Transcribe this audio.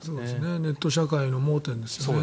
ネット社会の盲点ですよね。